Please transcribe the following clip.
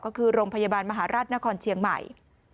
ก็คือโรงพยาบาลมหาราชนครเชียงใหม่